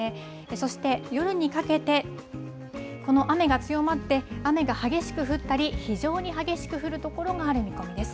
そして、夜にかけてこの雨が強まって雨が激しく降ったり非常に激しく降るところがある見込みです。